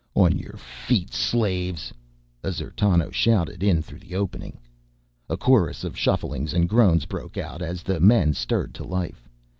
"On your feet slaves!" a D'zertano shouted in through the opening. A chorus of shufflings and groans broke out as the men stirred to life.